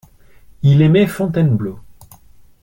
Il aimait Fontainebleau.